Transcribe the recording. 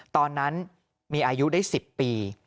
ตอนนั้นมีอายุได้๑๐ปี